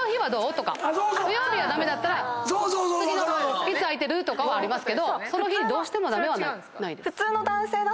土曜日は駄目だったら「次いつ空いてる？」とかありますけど「その日にどうしても駄目？」はないです。